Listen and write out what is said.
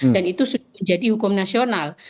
dan itu sudah menjadi hukum nasional